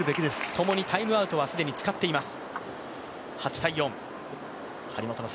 ともにタイムアウトは既に使っています。